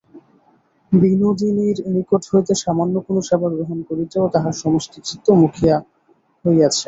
বিনোদিনীর নিকট হইতে সামান্য কোনো সেবা গ্রহণ করিতেও তাহার সমস্ত চিত্ত বিমুখ হইয়াছে।